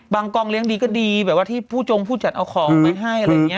บางกลองเลี้ยงดีก็ดีแบบว่าที่ผู้จงผู้จัดเอาของมันให้